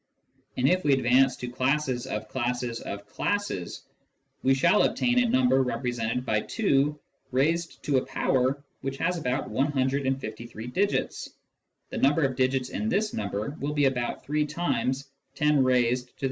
And if we advance to classes of classes of classes, we shall obtain a number represented by 2 raised to a power which has about 153 digits ; the number of digits in this number will be about three times io 162